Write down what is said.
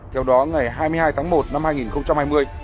theo đó ngày hai mươi hai tháng một năm hai nghìn hai mươi